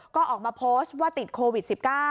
ก็ออกมาโพสต์ว่าติดโควิด๑๙